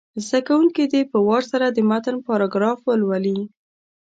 زده کوونکي دې په وار سره د متن پاراګراف ولولي.